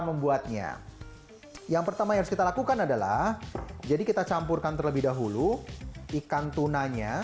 membuatnya yang pertama ya kita lakukan adalah jadi kita campurkan terlebih dahulu ikan tuna nya